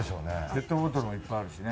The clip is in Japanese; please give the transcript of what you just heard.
ペットボトルもいっぱいあるしね。